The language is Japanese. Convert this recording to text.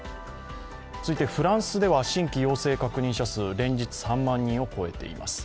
続いてフランスでは新規陽性確認者数、連日３万人を超えています。